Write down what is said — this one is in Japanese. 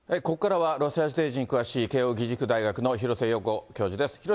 ここからは、ロシア政治に詳しい慶應義塾大学の廣瀬陽子教授です。